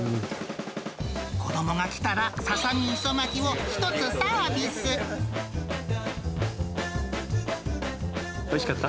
子どもが来たら、ささみ磯巻おいしかった？